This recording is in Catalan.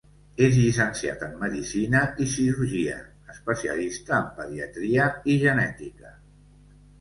És llicenciat en medicina i cirurgia, especialista en pediatria i genètica.